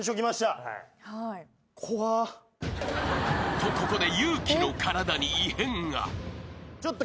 ［とここで］